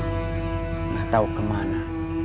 tidak tahu kemana